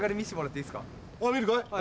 あっ見るかい？